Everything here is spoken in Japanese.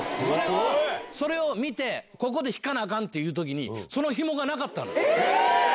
それを見て、ここで引かなあかんっていうときに、そのひもがなかったの。